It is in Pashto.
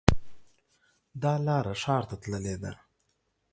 دا لاره ښار ته تللې ده